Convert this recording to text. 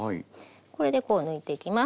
これでこう抜いていきます。